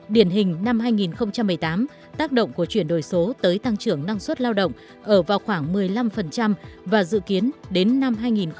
điển hình năm hai nghìn một mươi tám tác động của chuyển đổi số tới tăng trưởng năng suất lao động ở vào khoảng một mươi năm và dự kiến đến năm hai nghìn hai mươi